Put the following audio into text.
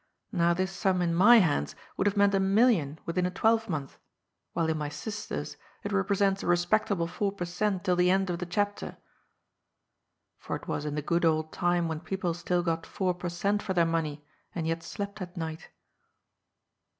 Now this sum in my hands would have meant a million within a twelvemonth, while in my sister's it represents a respectable four per cent, till the end of the chapter." For it was in the good old time when people still got four per cent, for their money, and yet slept at night.